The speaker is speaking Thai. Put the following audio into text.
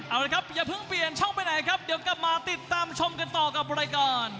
เอาละครับอย่าเพิ่งเปลี่ยนช่องไปไหนครับเดี๋ยวกลับมาติดตามชมกันต่อกับรายการ